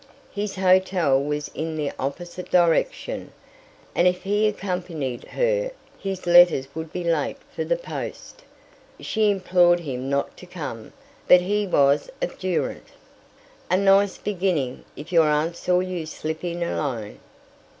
His hotel was in the opposite direction, and if he accompanied her his letters would be late for the post. She implored him not to come, but he was obdurate. "A nice beginning, if your aunt saw you slip in alone!"